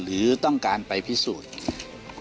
หรือต้องการไปพิสูจน์นะครับ